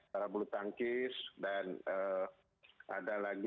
para bulu tangkis dan ada lagi